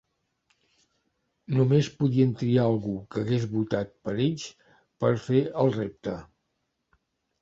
Només podien triar algú que hagués votat per ells per fer el repte.